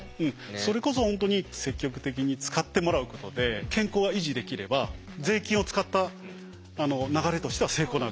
それこそ本当に積極的に使ってもらうことで健康が維持できれば税金を使った流れとしては成功なわけです。